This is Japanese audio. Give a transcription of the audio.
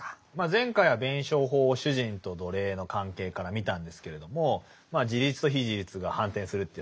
前回は弁証法を主人と奴隷の関係から見たんですけれども自立と非自立が反転するという話でしたよね。